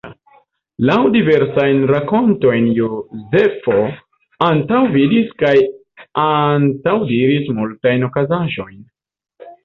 Laŭ diversajn rakontoj Jozefo antaŭvidis kaj antaŭdiris multajn okazaĵojn.